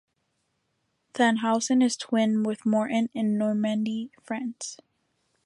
Thannhausen is twinned with Mortain, in Normandy, France.